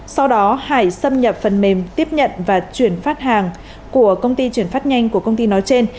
sau đó hải xâm nhập phần mềm tiếp nhận và chuyển phát hàng của công ty chuyển phát nhanh của công ty nói trên